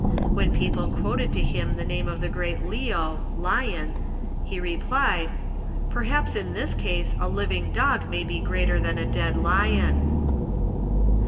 When people quoted to him the name of the great Leo (lion), he replied, "Perhaps in this case a living dog may be greater than a dead lion."